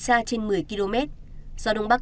xa trên một mươi km gió đông bắc